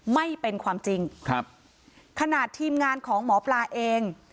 ไม่เป็นความจริงครับขนาดทีมงานของหมอปลาเอง